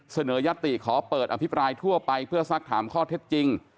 ยัตติขอเปิดอภิปรายทั่วไปเพื่อสักถามข้อเท็จจริง